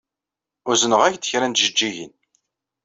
Uzneɣ-ak-d kra n tjeǧǧigin.